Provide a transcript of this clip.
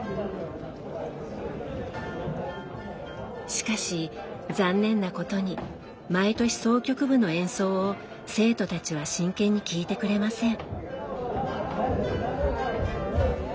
しかし残念なことに毎年箏曲部の演奏を生徒たちは真剣に聴いてくれません。